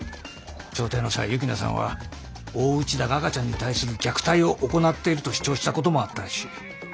調停の際幸那さんは大内田が赤ちゃんに対する虐待を行っていると主張したこともあったらしい。